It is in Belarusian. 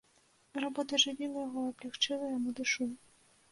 Работа ажывіла яго і аблягчыла яму душу.